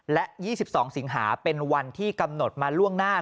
และ๒๒สิงหาเป็นวันที่กำหนดมาล่วงหน้า